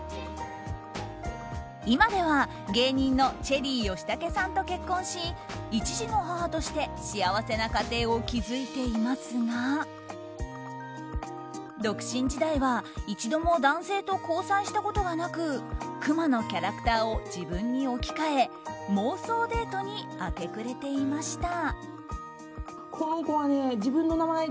今では芸人のチェリー吉武さんと結婚し一児の母として幸せな家庭を築いていますが独身時代は一度も男性と交際したことがなくクマのキャラクターを自分に置き換え妄想デートに明け暮れていました。